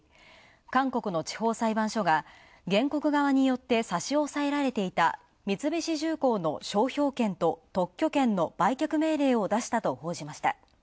韓国の地方裁判所が原告側によっ差し押さえられていた三菱重工の商標権と特許権の売却命令を出したと報じました。